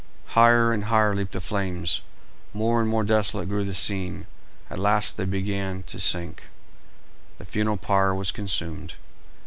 Higher and higher leaped the flames, more and more desolate grew the scene; at last they began to sink, the funeral pyre was consumed.